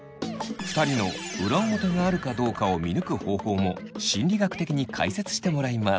２人の裏表があるかどうかを見抜く方法も心理学的に解説してもらいます。